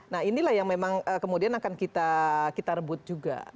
nah inilah yang memang kemudian akan kita rebut juga